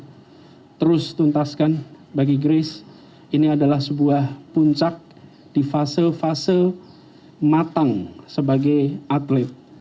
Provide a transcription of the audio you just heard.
jadi saya harus tuntaskan bagi grecia ini adalah sebuah puncak di fase fase matang sebagai atlet